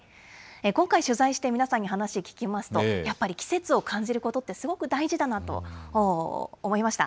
今回取材して、皆さんに話聞きますと、やっぱり季節を感じることってすごく大事だなと思いました。